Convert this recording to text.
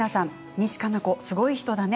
西加奈子、すごい人だね